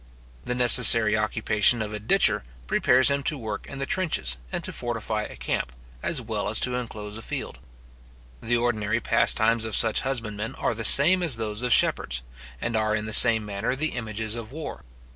The necessary occupation of a ditcher prepares him to work in the trenches, and to fortify a camp, as well as to inclose a field. The ordinary pastimes of such husbandmen are the same as those of shepherds, and are in the same manner the images of war.